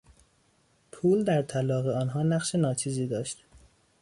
پول در طلاق آنها نقش ناچیزی داشت.